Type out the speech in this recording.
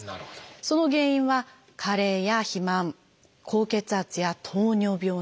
その原因は加齢や肥満高血圧や糖尿病などということで。